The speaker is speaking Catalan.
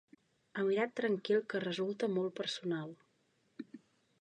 Emirat tranquil que resulta molt personal.